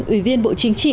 ủy viên bộ chính trị